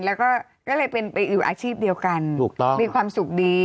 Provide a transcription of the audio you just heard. แล้วก็ก็เลยเป็นไปอยู่อาชีพเดียวกันถูกต้องมีความสุขดี